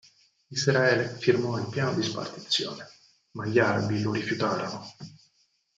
Israele firmò il piano di spartizione, ma gli arabi lo rifiutarono.